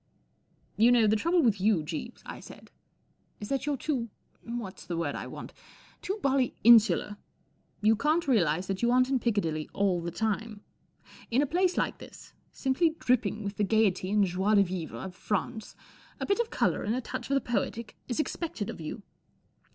'* You know* the trouble with you, Jeeves," I said, " is that you're too—what's the word I want ?—too bally insular. You can't realize that you aren't in Piccadilly all the time. In a place like this, simply dripping with the gaiety and joie de vivre of France, a bit of colour and a touch of the poetic is expected of you.